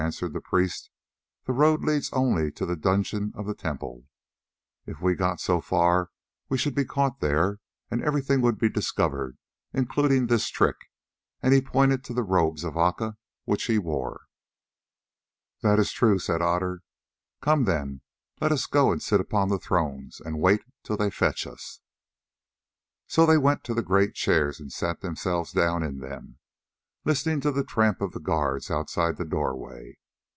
answered the priest. "The road leads only to the dungeons of the temple; if we got so far we should be caught there, and everything would be discovered, including this trick," and he pointed to the robes of Aca, which he wore. "That is true," said Otter. "Come, then, let us go and sit upon the thrones and wait till they fetch us." So they went to the great chairs and sat themselves down in them, listening to the tramp of the guards outside the doorway.